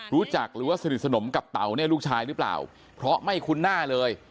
รู้จักหรือว่าสนิทสนมกับเต๋าเนี่ยลูกชายหรือเปล่าเพราะไม่คุ้นหน้าเลย